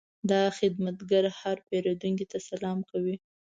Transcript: دا خدمتګر هر پیرودونکي ته سلام کوي.